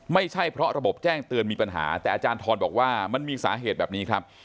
ไม่ใช่เพราะระบบแจ้งเตือนมีปัญหาแต่อาจารย์ทรบอกว่ามันมีสาเหตุแบบนี้ครับ